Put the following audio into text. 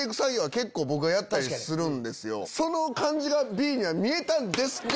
その感じがＢには見えたんですが。